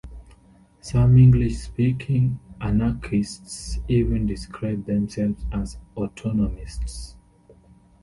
Some English-speaking anarchists even describe themselves as "Autonomists".